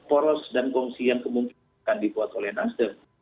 poros dan kongsi yang kemungkinan akan dibuat oleh nasdem